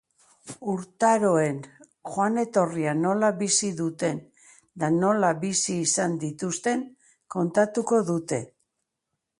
Urtaroen joan etorria nola bizi duten eta nola bizi izan dituzten kontatuko dute.